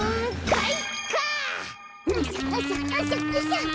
はい。